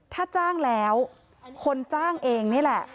ถ้าจ้างแล้วคนจ้างเองนี่แหละ